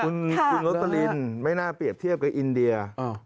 คุณโรสลินไม่น่าเปรียบเทียบกับอินเดีย